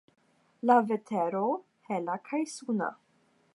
La vetero: hela kaj suna.